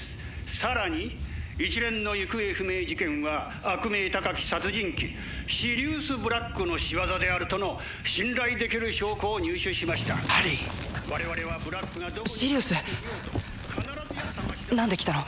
さらに一連の行方不明事件は悪名高き殺人鬼シリウス・ブラックの仕業であるとの信頼できる証拠を入手しましたハリーシリウスなんで来たの？